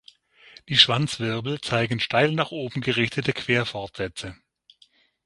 Die Schwanzwirbel zeigen steil nach oben gerichtete Querfortsätze.